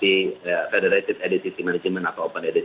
untuk edtc federated edtc management atau open edtc